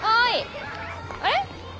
あれ？